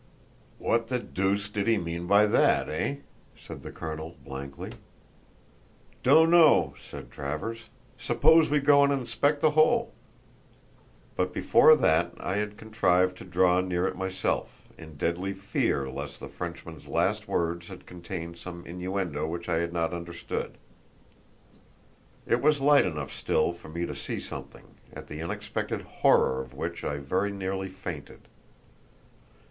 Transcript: "What the deuce did he mean by that, eh?" said the colonel, blankly. "Don't know," said Travers; "suppose we go and inspect the hole?" But before that I had contrived to draw near it myself, in deadly fear lest the Frenchman's last words had contained some innuendo which I had not understood. It was light enough still for me to see something, at the unexpected horror of which I very nearly fainted.